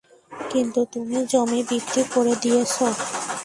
কিন্তু তুমি জমি বিক্রি করে দিয়েছ।